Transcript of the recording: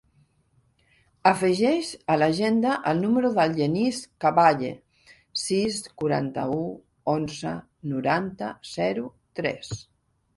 Afegeix a l'agenda el número del Genís Caballe: sis, quaranta-u, onze, noranta, zero, tres.